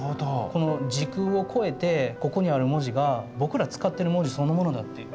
この時空を超えてここにある文字が僕ら使ってる文字そのものだっていう。